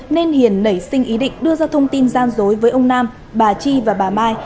nên hiền nảy sinh ý định đưa ra thông tin gian dối với ông nam bà chi và bà mai